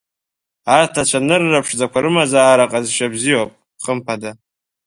Арҭ ацәанырра ԥшӡақәа рымазаара ҟазшьа бзиоуп, хымԥада.